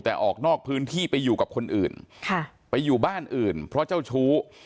แต่ออกนอกพื้นที่ไปอยู่กับคนอื่นค่ะไปอยู่บ้านอื่นเพราะเจ้าชู้